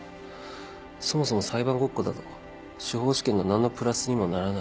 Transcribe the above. そもそも裁判ごっこなど司法試験には何のプラスにもならない。